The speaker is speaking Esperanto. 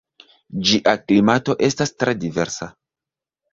Ĝia klimato estas tre diversa.